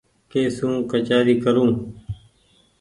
ڪي سون ڪچآري ڪرون ۔